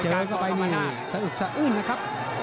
เจ้าก็ไปนี่สะอึดสะอื้นนะครับ